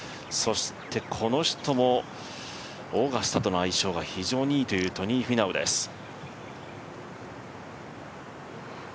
そして、この人もオーガスタとの相性が非常にいいというトニー・フィナウです。